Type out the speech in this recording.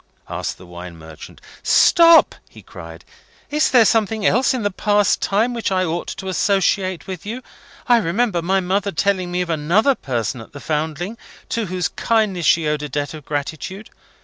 asked the wine merchant. "Stop!" he cried. "Is there something else in the past time which I ought to associate with you? I remember my mother telling me of another person at the Foundling, to whose kindness she owed a debt of gratitude.